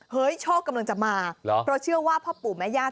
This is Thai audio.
เฮ้ยโชคกำลังจะมาเพราะเชื่อว่าพ่อปู่แม่ยาก